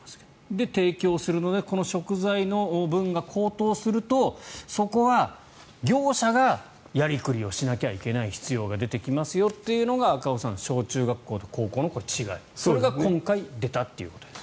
で、提供するのでこの食材の分が高騰するとそこは業者がやりくりをしなきゃいけない必要が出てきますよというのが赤尾さん、小中学校と高校の違いそれが今回出たと。